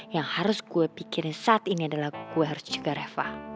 yang harus gue pikirin saat ini adalah gue harus juga reva